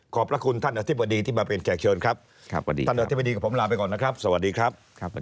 พระคุณท่านอธิบดีที่มาเป็นแขกเชิญครับสวัสดีท่านอธิบดีกับผมลาไปก่อนนะครับสวัสดีครับ